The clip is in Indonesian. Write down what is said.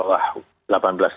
tapi dalam perkebalan ini